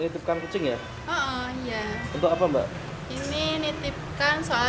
tapi satu mingguan kita mudik